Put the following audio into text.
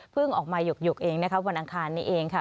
เพิ่งออกมาหยกหยกเองครับวันอันคารนี้เองค่ะ